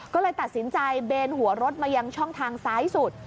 ก็เลยตัดสินใจเบนหัวรถมายังช่องทางซ้ายสุด